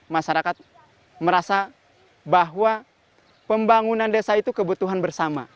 masyarakat merasa bahwa pembangunan desa itu kebutuhan bersama